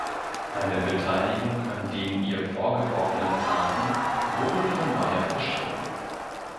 Eine Beteiligung an den ihr vorgeworfenen Taten wurde von Meyer bestritten.